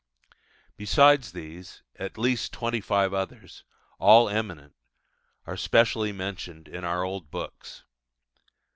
Besides these, at least twenty five others, all eminent, are specially mentioned in our old books.